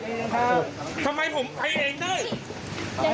พี่เกรงกลัวไหมไหมคะสักท่วน